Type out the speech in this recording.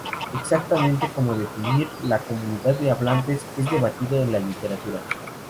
Exactamente cómo definir "la comunidad de hablantes" es debatido en la literatura.